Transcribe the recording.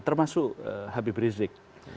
termasuk habib rizik